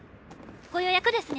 ご予約ですね。